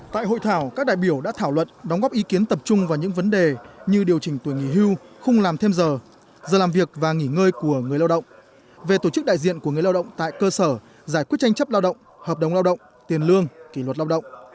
tại hội thảo các đại biểu đã thảo luận đóng góp ý kiến tập trung vào những vấn đề như điều chỉnh tuổi nghỉ hưu khung làm thêm giờ giờ làm việc và nghỉ ngơi của người lao động về tổ chức đại diện của người lao động tại cơ sở giải quyết tranh chấp lao động hợp đồng lao động tiền lương kỷ luật lao động